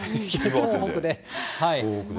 東北で。